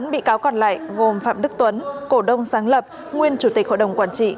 bốn bị cáo còn lại gồm phạm đức tuấn cổ đông sáng lập nguyên chủ tịch hội đồng quản trị